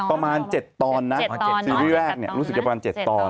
ประมาณ๗ตอนนะ๗ซีรีส์แรกรู้สึกจะประมาณ๗ตอน